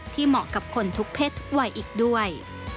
ที่เหมาะกับคนทุกเพศไว้อีกด้วย